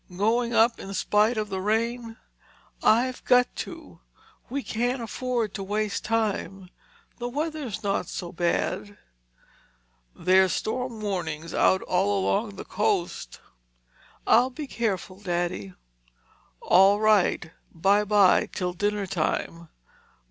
"Going up in spite of the rain?" "I've got to. We can't afford to waste time—the weather's not so bad." "There are storm warnings out all along the coast." "I'll be careful, Daddy." "All right. Bye bye till dinner time."